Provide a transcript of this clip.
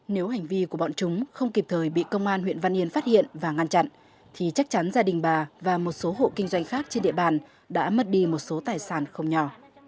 nếu hành vi của bọn chúng không kịp thời bị công an huyện văn yên phát hiện và ngăn chặn thì chắc chắn gia đình bà và một số hộ kinh doanh khác trên địa bàn đã mất đi một số tài sản không nhỏ